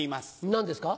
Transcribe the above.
何ですか？